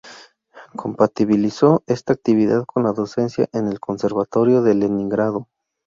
Compatibilizó esta actividad con la docencia en el Conservatorio de Leningrado.